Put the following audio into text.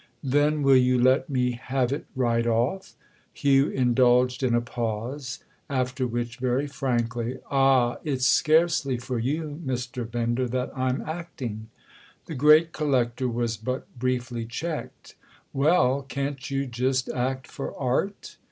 "Then will you let me have it right off?" Hugh indulged in a pause; after which very frankly: "Ah, it's scarcely for you, Mr. Bender, that I'm acting!" The great collector was but briefly checked. "Well, can't you just act for Art?"